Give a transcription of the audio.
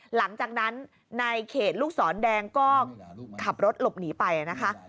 หลังจากนั้นในเขตลูกศรแดงก็ขับรถหลบหนีไปนะคะ